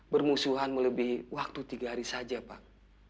bermusuhan melebihi waktu tiga hari saja pak